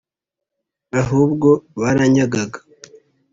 ahubwo baranyagaga